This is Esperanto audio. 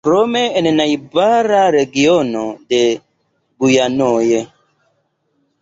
Krome en najbara regiono de Gujanoj.